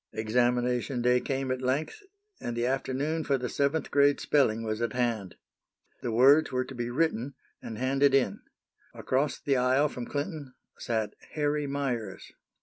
Examination day came at length, and the afternoon for the seventh grade spelling was at hand. The words were to be written, and handed in. Across the aisle from Clinton sat Harry Meyers.